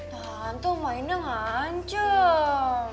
tante mainnya ngancem